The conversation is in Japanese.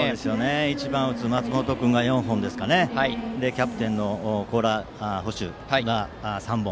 １番を打つ松本君が４本でキャプテンの高良捕手が３本。